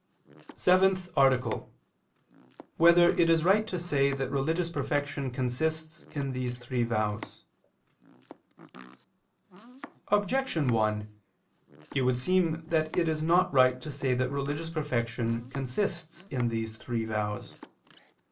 _______________________ SEVENTH ARTICLE [II II, Q. 186, Art. 7] Whether It Is Right to Say That Religious Perfection Consists in These Three Vows? Objection 1: It would seem that it is not right to say that religious perfection consists in these three vows.